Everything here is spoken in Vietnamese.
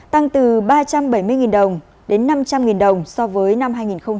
tăng từ ba trăm bảy mươi đồng đến năm trăm linh đồng so với năm hai nghìn một mươi bảy